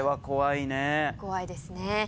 怖いですね。